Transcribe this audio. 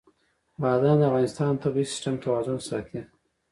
بادام د افغانستان د طبعي سیسټم توازن ساتي.